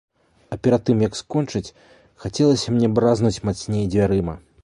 А перад тым як скончыць, хацелася мне бразнуць мацней дзвярыма.